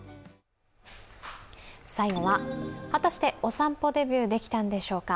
最後は果たしてお散歩デビューできたんでしょうか。